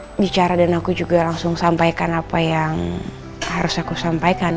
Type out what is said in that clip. aku bicara dan aku juga langsung sampaikan apa yang harus aku sampaikan